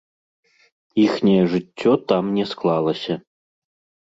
Іхняе жыццё там не склалася.